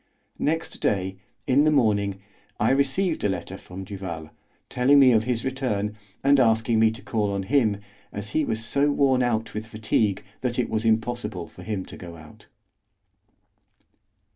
Next day, in the morning, I received a letter from Duval, telling me of his return, and asking me to call on him, as he was so worn out with fatigue that it was impossible for him to go out.